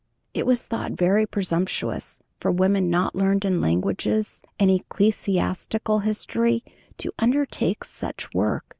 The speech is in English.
It was thought very presumptuous for women not learned in languages and ecclesiastical history to undertake such work.